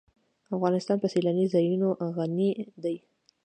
افغانستان په سیلانی ځایونه غني دی.